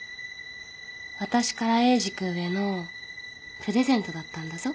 私からエイジ君へのプレゼントだったんだぞ。